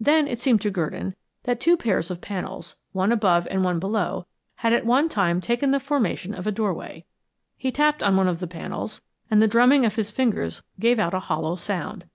Then it seemed to Gurdon that two pairs of panels, one above and one below, had at one time taken the formation of a doorway. He tapped on one of the panels, and the drumming of his fingers gave out a hollow sound.